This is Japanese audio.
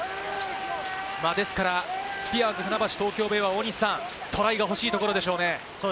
ですからスピアーズ船橋・東京ベイは、大西さん、トライが欲しいところでしょうね。